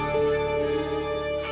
pergi ke kongsi